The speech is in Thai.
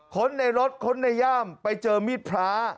คนในรถค้นในย่ามไปเจอมีดพระ